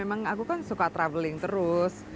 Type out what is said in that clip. emang aku kan suka traveling terus